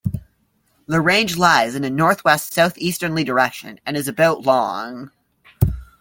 The range lies in a northwest-southeasterly direction, and is about long.